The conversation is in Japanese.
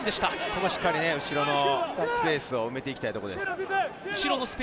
ここはしっかり、後ろのスペースを埋めてきたいところです。